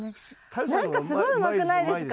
何かすごいうまくないですか？